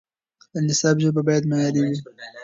د نصاب ژبه باید معیاري وي.